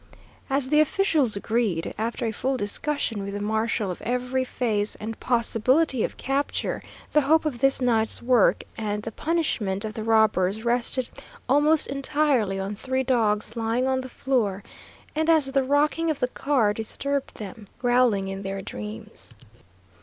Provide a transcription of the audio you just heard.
As the officials agreed, after a full discussion with the marshal of every phase and possibility of capture, the hope of this night's work and the punishment of the robbers rested almost entirely on three dogs lying on the floor, and, as the rocking of the car disturbed them, growling in their dreams.